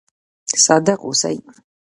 صادق اوسئ